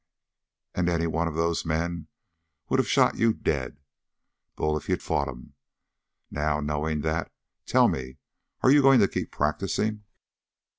And any one of those men would of shot you dead, Bull, if you'd fought 'em. Now, knowing that, tell me, are you going to keep practicing?"